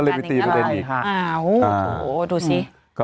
ก็เลยไปตีประเด็นนี้ค่ะ